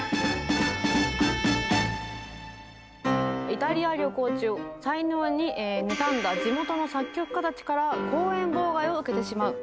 イタリア旅行中才能に妬んだ地元の作曲家たちから公演妨害を受けてしまう。